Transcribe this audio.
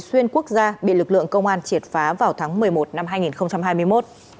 xuyên quốc gia bị lực lượng công an triệt phá vào tháng một mươi một năm hai nghìn hai mươi một